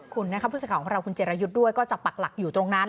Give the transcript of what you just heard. คุณนะครับผู้สื่อข่าวของเราคุณเจรยุทธ์ด้วยก็จะปักหลักอยู่ตรงนั้น